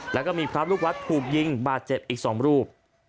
แล้วก็มีพระลูกวัดถูกยิงบาดเจ็บอีก๒รูป